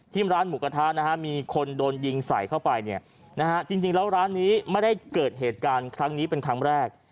ร้านหมูกระทะนะฮะมีคนโดนยิงใส่เข้าไปเนี่ยนะฮะจริงแล้วร้านนี้ไม่ได้เกิดเหตุการณ์ครั้งนี้เป็นครั้งแรก